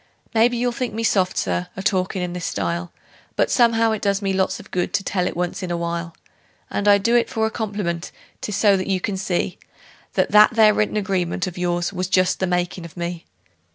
Maybe you'll think me soft, Sir, a talkin' in this style, But somehow it does me lots of good to tell it once in a while; And I do it for a compliment 'tis so that you can see That that there written agreement of yours was just the makin' of me.